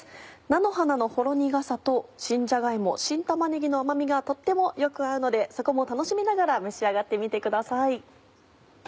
菜の花のほろ苦さと新じゃが芋新玉ねぎの甘みがとってもよく合うのでそこも楽しみながら召し上がってみてください。